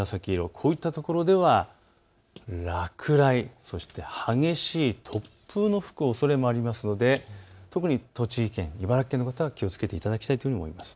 こういったところでは落雷、激しい突風の吹くおそれもありますので特に栃木県、茨城県の方は気をつけていただきたいと思います。